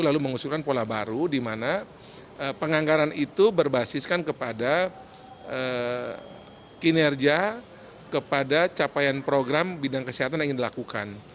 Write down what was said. lalu mengusulkan pola baru di mana penganggaran itu berbasiskan kepada kinerja kepada capaian program bidang kesehatan yang ingin dilakukan